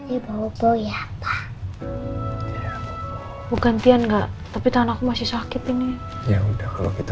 ibu ya pak bukan tian enggak tapi tanahku masih sakit ini ya udah kalau gitu